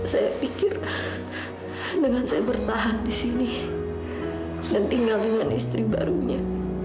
saya pikir dengan saya bertahan di sini dan tinggal dengan istri barunya